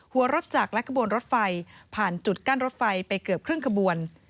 รถจักรและขบวนรถไฟผ่านจุดกั้นรถไฟไปเกือบครึ่งขบวน